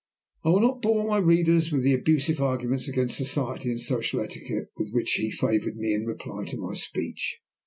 I will not bore my readers with the abusive arguments against society, and social etiquette, with which he favoured me in reply to my speech.